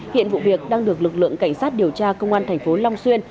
hiện vụ việc đang được lực lượng cảnh sát điều tra công an thành phố long xuyên